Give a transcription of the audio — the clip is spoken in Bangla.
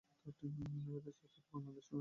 বেদের চর্চা তো বাঙলাদেশ হইতে লোপই পাইয়াছে।